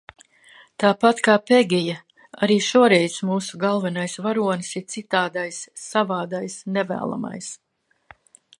Tāpat kā Pegija arī šoreiz mūsu galvenais varonis ir citādais, savādais, nevēlamais.